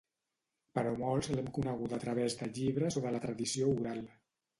Però molts l’hem coneguda a través de llibres o de la tradició oral.